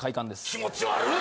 気持ち悪っ。